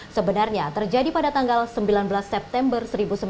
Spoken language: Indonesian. sebenarnya terjadi pada tanggal sembilan belas september seribu sembilan ratus empat puluh